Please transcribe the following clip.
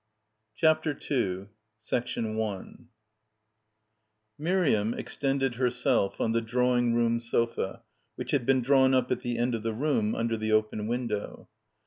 35 CHAPTER II MIRIAM extended herself on the drawing room sofa which had been drawn up at the end of die room under the open window.